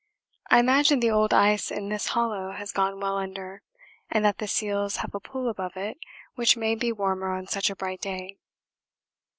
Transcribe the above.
I imagine the old ice in this hollow has gone well under and that the seals have a pool above it which may be warmer on such a bright day.